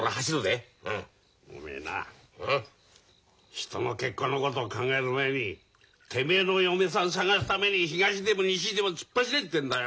人の結婚のことを考える前にてめえの嫁さん探すために東でも西でも突っ走れってんだよ！